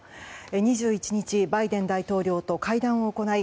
２１日バイデン大統領と会談を行い